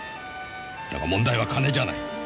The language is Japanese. だが問題は金じゃない。